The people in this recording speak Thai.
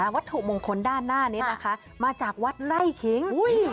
วัตถุมงคลด้านหน้านี้นะคะมาจากวัดไล่ขิง